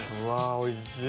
おいしい！